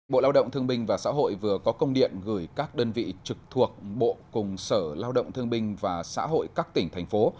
bộ lao động thương minh và xã hội vừa có công điện gửi các đơn vị trực thuộc bộ cùng sở lao động thương binh và xã hội các tỉnh thành phố